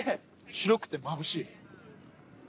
広くてまぶしい。